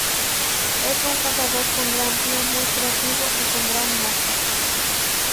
Es un jugador con gran pie, muy creativo y con gran marca.